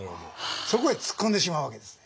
そこへ突っ込んでしまうわけですね。